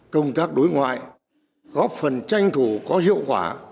công tác đối ngoại góp phần tranh thủ có hiệu quả